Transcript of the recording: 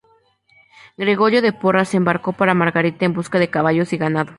Gregorio de Porras se embarcó para Margarita en busca de caballos y ganado.